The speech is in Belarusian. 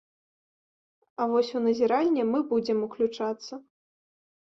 А вось у назіранне мы будзем уключацца.